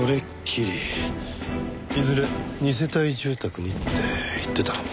いずれ二世帯住宅にって言ってたのは。